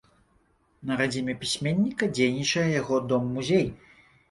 На радзіме пісьменніка дзейнічае яго дом-музей.